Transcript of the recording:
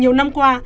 nhiều năm qua